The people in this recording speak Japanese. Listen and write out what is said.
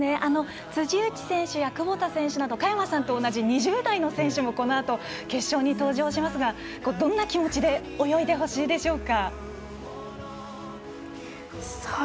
辻内選手や窪田選手など佳山さんと同じ２０代の選手もこのあと決勝に登場しますがどんな気持ちで泳いでほしいでしょうか？